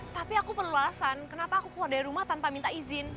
tapi aku perluasan kenapa aku keluar dari rumah tanpa minta izin